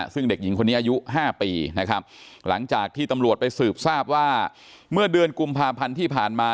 ซึ่งเด็กหญิงคนนี้อายุ๕ปีนะครับหลังจากที่ตำรวจไปสืบทราบว่าเมื่อเดือนกุมภาพันธ์ที่ผ่านมา